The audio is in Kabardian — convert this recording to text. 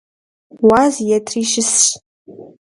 Уаз етри щысщ.